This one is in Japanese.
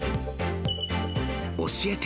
教えて！